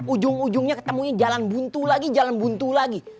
ujung ujungnya ketemunya jalan buntu lagi jalan buntu lagi